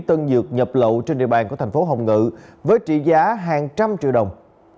tân dược nhập lậu trên địa bàn của thành phố hồng ngự với trị giá hàng trăm triệu đồng